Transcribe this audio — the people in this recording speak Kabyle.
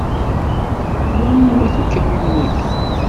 N wanwa-t ukamyun-aki?